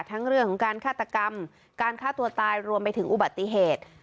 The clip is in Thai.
เรื่องของการฆาตกรรมการฆ่าตัวตายรวมไปถึงอุบัติเหตุ